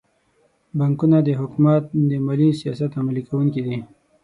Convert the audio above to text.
بانکونه د حکومت د مالي سیاستونو عملي کوونکي دي.